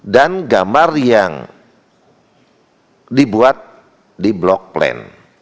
dan gamar yang dibuat di block plan